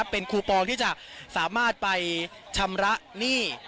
เป็นคูปองที่จะสามารถไปชำระหนี้